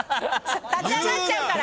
立ち上がっちゃうから！